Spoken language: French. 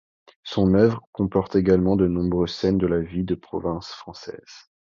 Son œuvre comporte également de nombreuses scènes de la vie de province française.